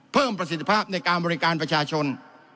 ประสิทธิภาพในการบริการประชาชน